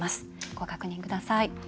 ご確認ください。